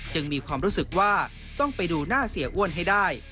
มีความรู้สึกว่าต้องไปดูหน้าเสียอ้วนให้ได้